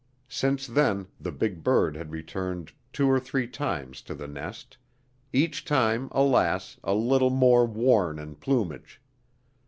Since then the big bird had returned two or three times to the nest; each time, alas, a little more worn in plumage.